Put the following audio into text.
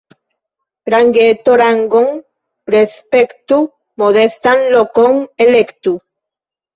Rangeto rangon respektu, modestan lokon elektu.